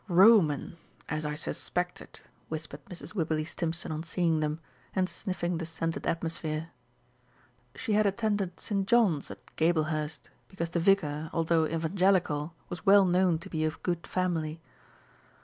"Roman! as I suspected!" whispered Mrs. Wibberley Stimpson on seeing them, and sniffing the scented atmosphere. (She had attended St. John's at Gablehurst, because the vicar, although Evangelical, was well known to be of good family.)